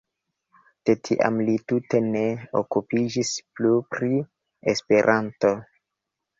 De tiam li tute ne okupiĝis plu pri Esperanto.